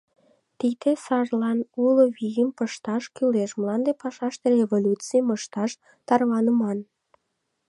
Тиде сарлан уло вийым пышташ кӱлеш, мланде пашаште «революцийым» ышташ тарваныман.